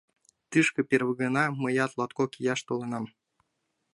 — Тышке первый гана мыят латкок ияш толынам.